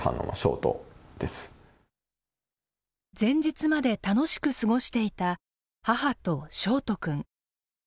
前日まで楽しく過ごしていた母と翔人くん。